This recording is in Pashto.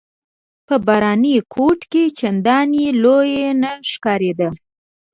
په باراني کوټ کې چنداني لویه نه ښکارېده.